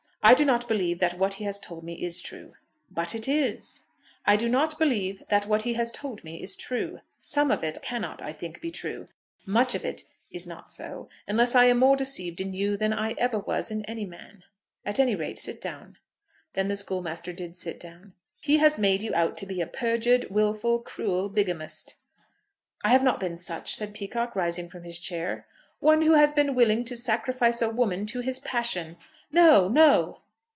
I do not believe that what he has told me is true." "But it is." "I do not believe that what he has told me is true. Some of it cannot, I think, be true. Much of it is not so, unless I am more deceived in you than I ever was in any man. At any rate sit down." Then the schoolmaster did sit down. "He has made you out to be a perjured, wilful, cruel bigamist." "I have not been such," said Peacocke, rising from his chair. "One who has been willing to sacrifice a woman to his passion." "No; no."